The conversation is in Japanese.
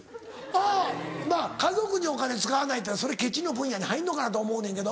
あっまぁ家族にお金使わないってそれケチの分野に入んのかな？と思うねんけど。